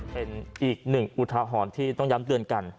เป็นอีกหนึ่งอุทหรณ์ที่ต้องย้ำเตือนกัน